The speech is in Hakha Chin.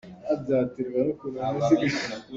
Mi ṭha a rak si nain fir an puh lengmang i an rut ter beh.